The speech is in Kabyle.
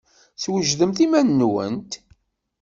Swejdemt iman-nwent!